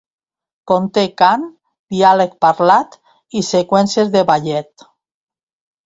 Conté cant, diàleg parlat i seqüències de ballet.